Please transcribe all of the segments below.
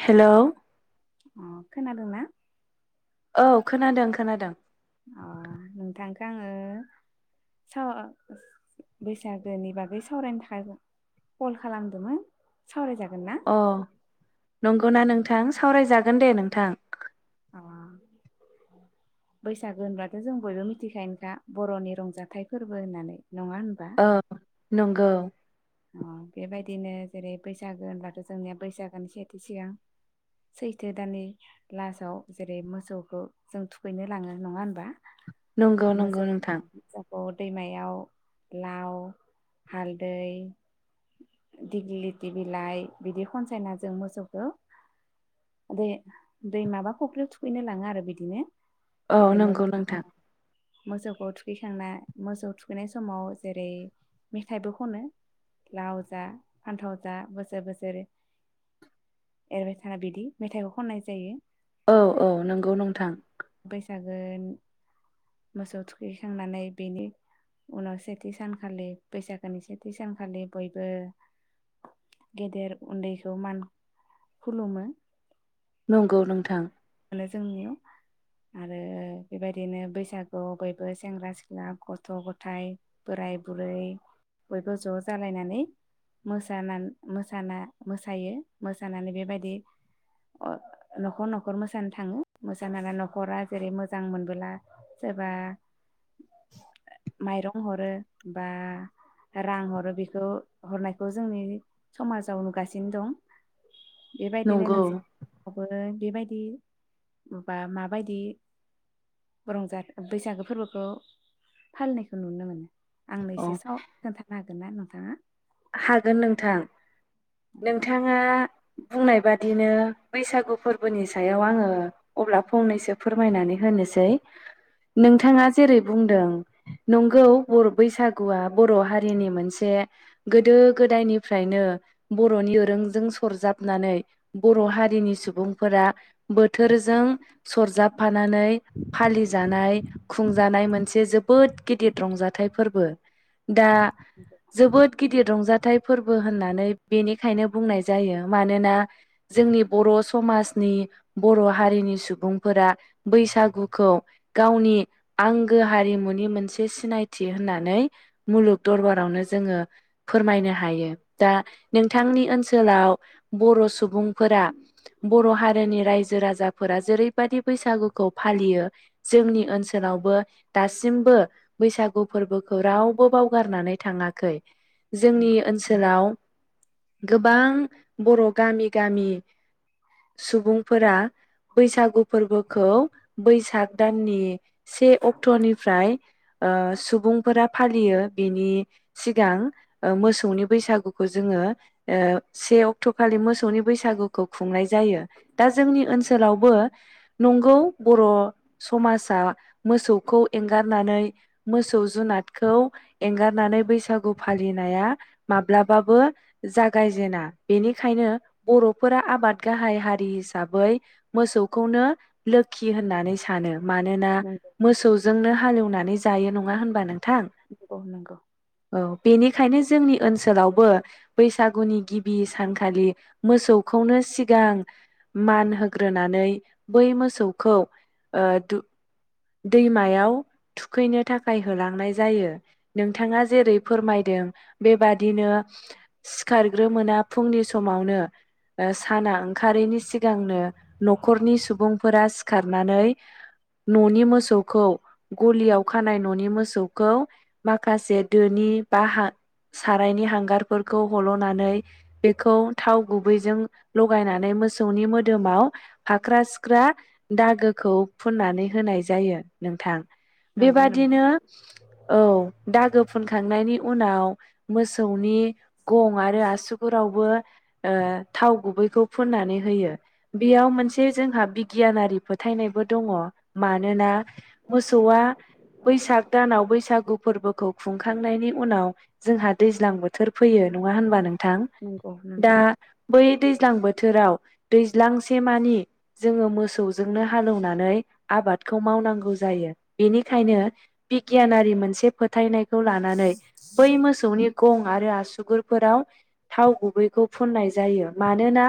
Hello अ खोनादोंना औ खोनादों खोनादों अ नोंथांखौ आङो समाव बैसागोनि बागै सावरायनो थाखाय कल खालामदोंमोन सावरायजागोन ना अ नंगौना नोंथां सावरायजा गोन दे नोंथां अ बैसागो होनबथ' जों बयबो मिथिखायोनखा बर'नि रंजाथाइ फोरबो होननानै नङा होनबा औ नंगौ अ बेबायदिनो जेरै बैसागो होनब्लाथ' जोंनिया बैसागोनि सेथि सिगां सैथो दाननि लासाव जेरै मोसौखौ जों थुखैनो लाङो नङा होनबा। नंगौ नंगौ नोंथां अ दैमायाव लाव हालदै दिग्लिथि बिलाइ बिदि खनसायना जों मोसौखौ दे दै माबा फुख्रियाव थुखैनो लाङो आरो बिदिनो। औ बिदि नंगौ नोंथां मोसौखौ थुखैखांना मोसौ थुखैनाय समाव जेरै मेथाइबो खनो। लाव जा फान्थाव जा बोसोर बोसोर एरबाय थानाय बिदि मेथाइखौ खननाय जायो। औ औ नंगौ नोंथां। सागोन मोसौ थुखैखांनानै बेनि उनाव सेथि सानखालि बैसागोनि सेथि सानखालि बयबो गेदेर उन्दैखौ मान खुलुमो। नंगौ नोंथां। मोनो जोंनियाव आरो बेबायदिनो बैसागुआव बयबो सेंग्रा सिख्ला गथ' गथायाइ बोराय बुरै बयबो ज' जालायनानै मोसा मोसाना मोसायो मोसानानै बेबायदि न'खर न खर मोसानो थाङो। मोसानानानै न'खरा जेरै मोजां मोनबोला सोरबा माइरं हरो बा रां हरो बेखौ हरनायखौ जोंनि समाजाव नुगासिनो दं। बेबायदिनो नंगौ नोंसि नावबो बे बाय दि होमबा माबायदि रंजा बैसागो फोरबोखौ फालिनायखौ नुनो मोनो? आंनो अ एसे स खोन्थानो हागोन ना नों? हा हागोन नोंथां नोंथाङा बुंनाय बादिनो बैसागु फोरबोनि सायाव आङो अब्ला फंनैसो फोरमायनानै होनोसै। नोंथाङा जेरै बुंदों नंगौ बर'बैसागुआ बर' हारिनि मोनसे गोदो गोदायनिफ्रायनो बर'नि ओरोंजों सरजाबनानै बर' हारिनि सुबुंफोरा बोथोरजों सरजाब फा नानै फालि जानाय खुंजानाय मोनसे जोबोद गिदिर रंजाथाइ फोरबो। दा जोबोद गिदिर रंजाथाइ फोरबो होननानै बेनिखायनो बुंनाय जायो मानोना जोंनि बर' समाजनि बर' हारिनि सुबुंफोरा बैसागुखौ गावनि आंगो हारिमुनि मोनसे सिनायथि होननानै मुलुग दरबारावनो जोङो फोरमायनो हायो। दा नोंथांनि ओनसोलाव बर' सुबुंफोरा बर' हारिनि रायजो राजाफोरा जेरैबायाददि बैसागुखौ फालियो जोंनि ओनसोलावबो दासिमबो बैसागु फोरबोखौ रावबो बावगारनानै थाङाखै। जोंनि नंगौ नंगौ ओनसोलाव गोबां बर' गामि गामि सुबुंफोरा बैसागु फोरबोखौ बैसाग दाननि से अक्ट'निफ्राय ओ सुबुंफोरा फालियो बिनि सिगां मोसौनि बैसागुखौ जोङो ओ से अ ट'खालि मोसौनि बैसागुखौ खुंनाय जायो। दा जोंनि ओनसोलाव बो नंगौ बर' समाजा मोसौखौ एंगारनानै मोसौ जुनादखौ एंगारनानै बैसागु फालि नाया माब्लाबाबो जागायजेना बेनिखायनो बर'फोरा आबाद गाहाय हारि हिसाबै मोसौखौनो लो खि होननानै सानो मानोना मोसौजोंनो हालेवनानै जायो नङा होनबा नोंथां नोंगौ नोंगौ औ बेनिखायनो जोंनि ओनसोलावबो बैसागुनि गिबि सानखालि मोसौखौनो सिगां मान होग्रोनानै बै मोसौखौ ओ दैमायाव थुखैनो थाखाय होलांनाय जायो नोंथाङा जेरै फोरमायदों बेबादिनो सिखारग्रोमोना फुंनि समावनो साना ओंखारैनि सिगांनो न'खरनि सुबुंफोरा सिखारनानै न'नि मोसौखौ गलियाव खानाय न'नि मोसौखौ माखासे दोनि बा हा सारायनि हांगारफोरखौ हल'नानै बेखौ थाव गुबैजों लगायनानै मोसौनि मोदोमाव फाख्रा सिख्रा दागोखौ फुननानै होनाय जायो नोंथां? नंगौ नंगौ नामा बेबादिनो औ दागो फुनखांनायनि उनाव मोसौनि गं आरो आसुगुरावबो ओ थाव गुबैखौ फुननानै होयो बेयाव मोनसे जोंहा बिगियानारि फोथायनायबो दङ। मानोना मोसौआ बैसाग दानाव बैसागु फोरबोखौ खुंखांनायनि उनाव जोंहा दैज्लां बोथोर फैयो नङा होनबा नों थां नंगौ नंगौ दा बै दैज्लां बोथोराव दैज्लांसे मानि जोङो मोसौजोंनो हालौनानै आबादखौ मावनांगौ जायो बेनिखायनो बिगियानारि मोनसे फोथायनाय खौ लानानै बै मोसौनि गं आरो आसुगुरफोराव थाव गुबैखौ फुननाय जायो मानोना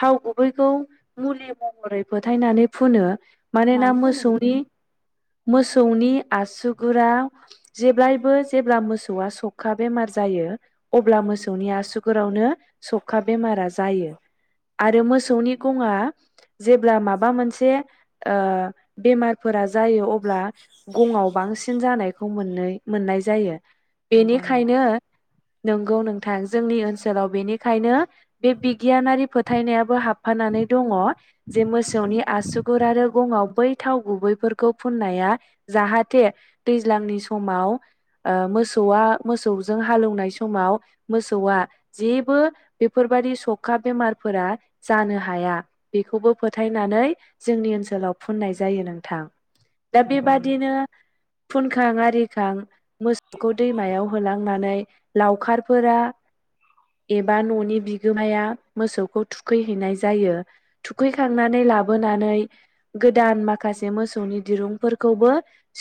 थाव गुबैखौ मुलि महरै फोथायनानै फुनो। मानोना मानो फोनो बेखौ? मोसौनि मोसौनि आसुगुराव जेब्लायबो जेब्ला मोसौआ सौखा बेमार जायो अब्ला मोसौनि आसुगुरावनो सौखा बेमारा जायो आरो मोसौनि गङआ जेब्ला माबा मोनसे ओ बेमारफोरा जायो अब्ला गंङाव बांसिन जानायखौ मोननै मोननाय जायो। नंगौ नामा बेनिखायनो नंगौ नोंथां जोंनि ओनसोलाव बेनिखायनो बे बिगियानारि फोथायनायाबो हाबफानानै दङ जे मोसौनि आसुगुर आरो गङाव बै थाव गुबैफोरखौ फुननाया जाहाथे दैज्लांनि समाव ओ मोसौआ मोसौजों हालौनाय समाव मोसौआ जेबो बेफोरबादि सौखा बेमारफोरा जानो हाया बेखौबो फोथायनानै जोंनि ओनसोलाव फुननाय जायो नोंथां। दा नंगौ नामा बेबादिनो फुनखां आरिखां मोसौखौ दैमायाव होलांनानै लावखारफोरा एबा न'नि बिगोमाया मोसौखौ थुखैहैनाय जायो। थुखैखांनानै लाबोनानै गोदान माखासे मोसौनि दिरुंफोरखौबो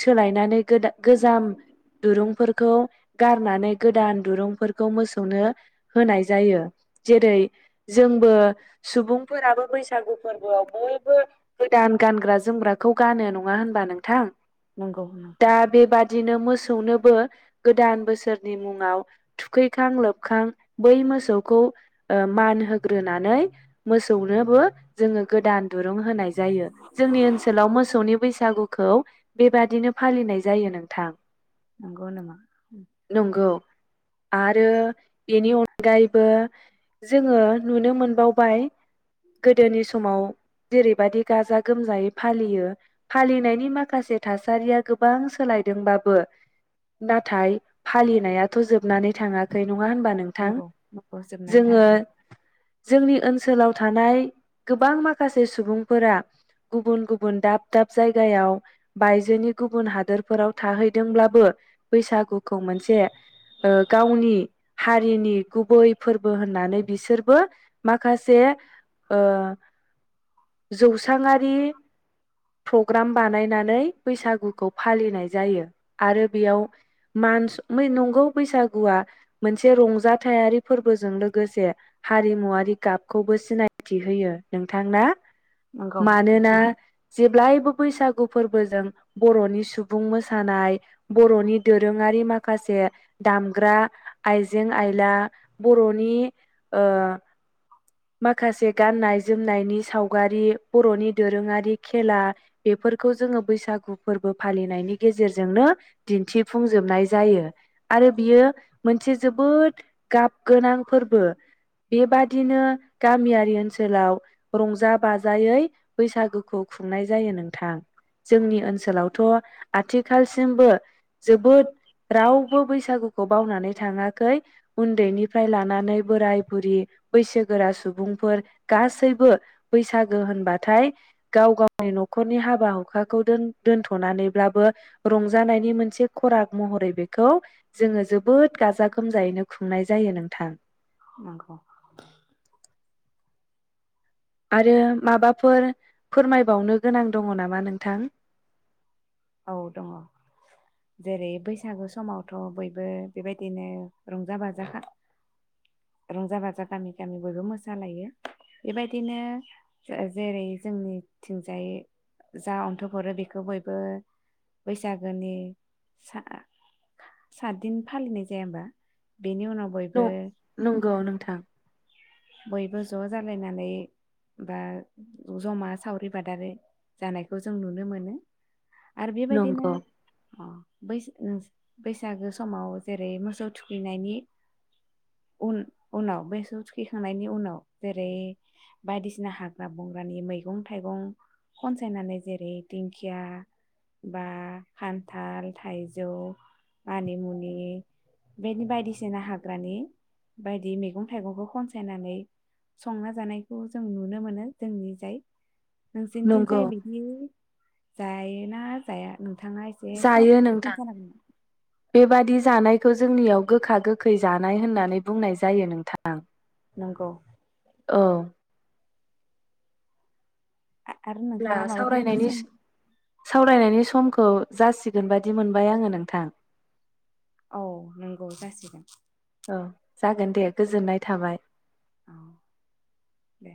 सोलायनानै गोद गोजाम दुरुंफोरखौ गारनानै गोदान दुरुंफोरखौ मोसौनो होनाय जायो जेरै जोंबो सुबुंफोराबो बैसागु फोरबोआव बयबो गो दान गानग्रा जोमग्राखौ गानो नङा होनबा नोंथां नंगौ नंगौ दा बेबादिनो मो सौनोबो गोदान बोसोरनि मुङाव थुखैखां लोबखां बै मोसौखौ ओ मान होग्रोनानै मोसौनोबो जोङो गोदान दुरुं होनाय जायो। जोंनि ओनसोलाव मोसौनि बैसागुखौ बेबादिनो फालिनाय जायो नोंथां। नोंगौ नामा? नंगौ आरो बेनि अनगायैबो जोङो नुनो मोनबावबाय गोदोनि समाव जेरैबायदि गाजा गोमजायै फालियो। फालिनायनि माखासे थासारिया गोबां सोलायदोंबाबो नाथाय फालिनायाथ' जोबनानै थाङाखै नङा होनबा नोंथां। नंगौ नंगौ जोबनानै जोङो थाङाखै जोंनि ओनसोलाव थानाय गोबां माखासे सुबुं फोर गुबुन गुबुन दाब दाब जायगायाव बायजोनि गुबुन हादोरफोराव थाहैदोंब्लाबो बैसागुखौ मोनसे ओ गावनि हारिनि गुबै फोरबो होननानै बिसोरबो माखासे ओ जौस्रांआरि प्रग्राम बानायनानै बैसागुखौ फालिनाय जायो। आरो बेयाव मान नंगौ बैसागुआ मोनसे रंजाथायारि फोरबोजों लोगोसे हारिमुआरि गाबखौबो सिनायथि होयो नोंथां ना। नंगौ मानोना जेब्लायबो बैसागु फोरबोजों बर'नि सुबुं मोसानाय बर'नि दोरोङारि माखासे दामग्रा, आइजें-आयला, बर'नि माखासे गाननाय जोमनायनि सावगारि बर'नि दोरोङारि खेला बेफोरखौ जोङो बैसागु फोरबो फालिनायनि गेजेरजोंनो दिन्थिफुंजोबनाय जायो आरो बियो मोनसे जोबोद गाब गोनां फोरबो बेबादिनो गामियारि ओनसोलाव रंजा-बाजा नोंथां। जोंनि ओनसोलावथ' आथिखालसिमबो जोबोद रावबो बैसागुखौ बावनानै थाङाखै। उन्दैनिफ्राय लानानै बोराय बुरि बैसोगोरा सुबुंफोर गासैबो बैसा गो होनबाथाय गाव गावनि न'खरनि हाबा हुखाखौ दोनथ'नानैब्लाबो रंजानायनि मोनसे खराग महरै बे जोङो जोबोद गाजा गोमजायैनो खुंनाय जायो नोंथां। नंगौ आरो माबाफोर फोरमायबावनो गोनां दङ नामा नोंथां? औ दङ जेरै बैसागु समावथ' बयबो बेबायदिनो रंजा बाजा रंजा बाजा गामि गामि बयबो मोसालायो बेबायदिनो जेरै जोंनिथिजाय जा अन्थब हरो बेखौ बयबो बैसागोनि सा सातदिन फालिनाय जाया होनबा नोंगौ नोंथां बयबो ज' जालायनानै बा जमा सावरि बादारि जानायखौ जों नुनो मोनो। आरो बेबायदिनो नंगौ उम बैस ओ बैसागो समाव जेरै मोसौ थुखैनायनि उन उनाव मोसौ थुख खांनायनि उनाव जेरै बायदिसिना हाग्रा बंग्रानि मैगं थाइगं खनसायनानै जेरै दिंखिया बा खान्थाल थाइजौ मानिमुनि बेदि बायदिसिना हाग्रानि बायदि मैगं थाइगंखौ खनसाय सायनानै संना जानायखौ जों नुनो मोनो जोंनि जाय नंगौ नोंसिनिथिजाय बिदि जायो ना जाया नोंथाङा एसे साब जायो नोंथां खोन्था नांगोन बेबादि जानायखौ जोंनियाव गोखा गोखै जानाय होननानै बुंनाय जायो नोंथां। नोंगौ औ आरो नोंथाङा माबाफोरो सावरायनायनि सम सावरायनायनि समखौ जासिगोन बादि मोनबाय आङो नोंथां औ नंगौ जासिगोन औ जागोन दे गोजोननाय थाबाय औ दे